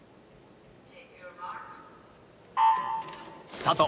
スタート！